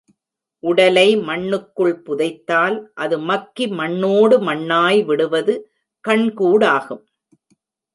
உடலை மண்ணுக்குள் புதைத்தால், அது மக்கி மண்ணோடு மண்ணாய் விடுவது கண் கூடாகும்.